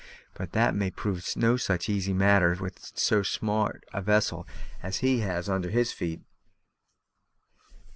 "But that may prove no such easy matter with so smart a vessel as he has under his feet."